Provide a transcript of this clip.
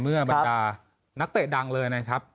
เมื่อบัญกานักเตะดังเลยนะครับ